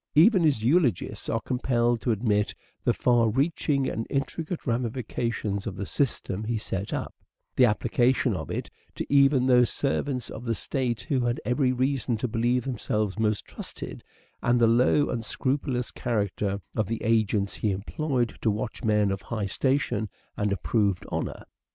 Even his eulogists are compelled to admit the far reaching and intricate ramifications of the system he set up, the application of it to even those servants of the state who had every reason to believe themselves most trusted, and the low, unscrupulous character of the agents he employed to watch men of high station and approved honour.